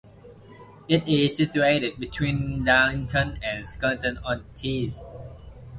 It is situated between Darlington and Stockton-on-Tees.